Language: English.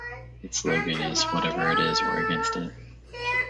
Its slogan is Whatever it is, we're against it.